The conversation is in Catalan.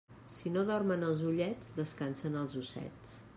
Si no dormen els ullets, descansen els ossets.